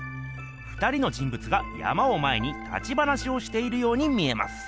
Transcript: ２人の人ぶつが山を前に立ち話をしているように見えます。